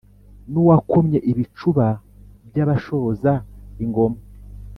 n’uwakomye ibicuba by’abashoza ingoma,